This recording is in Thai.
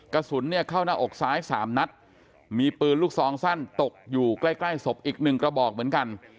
กระสุนเนี่ยเข้าหน้าอกซ้าย๓นัดมีปืนลูกซองสั้นตกอยู่ใกล้ใกล้ศพอีกหนึ่งกระบอกเหมือนกัน